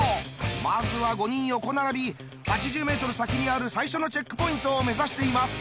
まずは５人横並び８０メートル先にある最初のチェックポイントを目指しています。